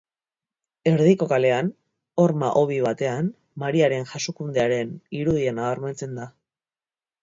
Erdiko kalean, horma-hobi batean, Mariaren Jasokundearen irudia nabarmentzen da.